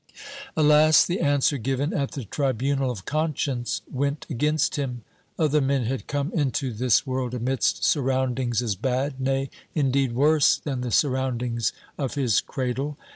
Alas, the answer given at the tribunal of conscience went against him! Other men had come into this world amidst surroundings as bad, nay, indeed, worse than the surroundings of his cradle.